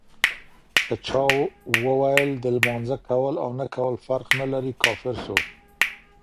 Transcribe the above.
که چا وويل د لمانځه کول اونه کول فرق نلري، کافر سو